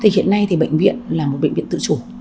thì hiện nay thì bệnh viện là một bệnh viện tự chủ